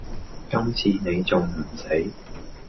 今次你仲唔死